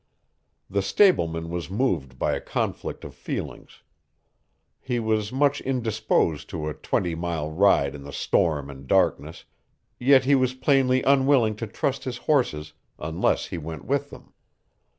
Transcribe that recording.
The stableman was moved by a conflict of feelings. He was much indisposed to a twenty mile ride in the storm and darkness; yet he was plainly unwilling to trust his horses unless he went with them.